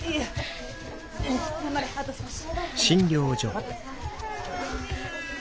頑張れあと少し。